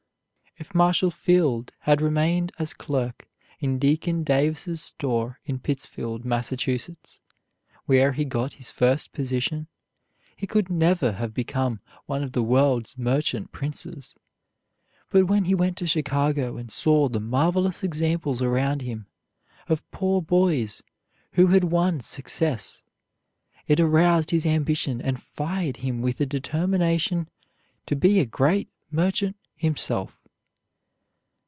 If Marshall Field had remained as clerk in Deacon Davis's store in Pittsfield, Massachusetts, where he got his first position, he could never have become one of the world's merchant princes. But when he went to Chicago and saw the marvelous examples around him of poor boys who had won success, it aroused his ambition and fired him with the determination to be a great merchant himself.